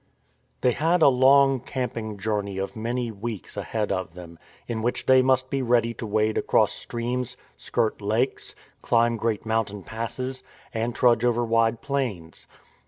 They had a long camping journey of many weeks ahead of them, in which they must be ready to wade across streams, skirt lakes, climb great mountain passes, and trudge over wide plains.